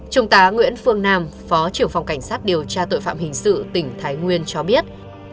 trung tá nguyễn phương nam phó trưởng phòng cảnh sát điều tra tội phạm hình sự tỉnh thái nguyên cho biết